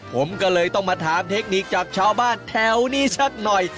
ผมก็เลยต้องมาถามเทคนิคจากชาวบ้านแถวนี้สักหน่อย